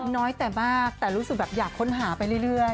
น้อยแต่มากแต่รู้สึกแบบอยากค้นหาไปเรื่อย